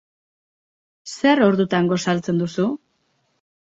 Zer ordutan gosaltzen duzu?